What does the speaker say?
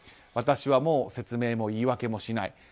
私はもう説明も言い訳もしない。